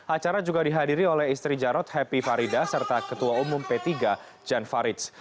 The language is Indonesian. acara juga dihadiri oleh istri jarod happy farida serta ketua umum p tiga jan faridz